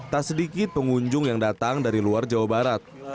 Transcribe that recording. tak sedikit pengunjung yang datang dari luar jawa barat